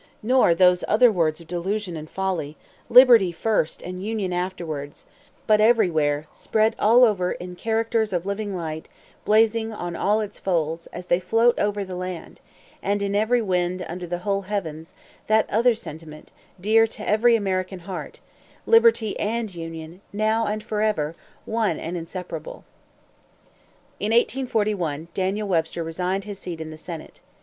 nor those other words of delusion and folly, 'Liberty first and Union afterwards;' but everywhere, spread all over in characters of living light, blazing on all its folds, as they float over the land, and in every wind under the whole heavens, that other sentiment, dear to every American heart Liberty and Union, now and forever, one and inseparable!" In 1841, Daniel Webster resigned his seat in the senate.